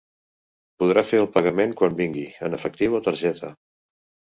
Podrà fer el pagament quan vingui, en efectiu o targeta.